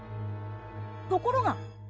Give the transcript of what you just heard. ところが。